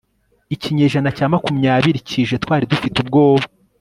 ikinyejana cya makumyabiri kije twari dufite ubwoba